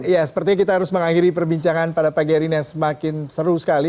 ya sepertinya kita harus mengakhiri perbincangan pada pagi hari ini yang semakin seru sekali